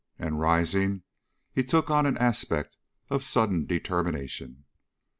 And, rising, he took on an aspect of sudden determination.